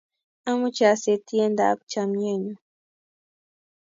Amuchi asir tiendap chamyenyo